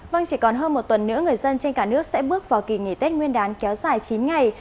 vâng chỉ còn hơn một tuần nữa người dân trên cả nước sẽ bước vào kỳ nghỉ tết nguyên đán kéo dài chín ngày